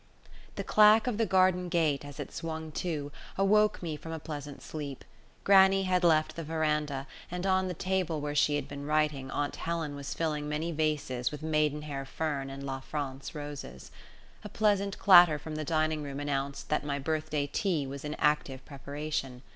The clack of the garden gate, as it swung to, awoke me from a pleasant sleep. Grannie had left the veranda, and on the table where she had been writing aunt Helen was filling many vases with maidenhair fern and La France roses. A pleasant clatter from the dining room announced that my birthday tea was in active preparation.